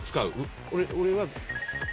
俺は。